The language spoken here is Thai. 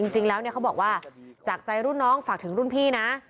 จริงแล้วเขาบอกว่าจากใจรุ่นน้องฝากถึงรุ่นพี่นะ